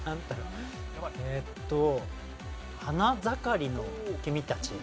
えっと『花ざかりの君たちへ』。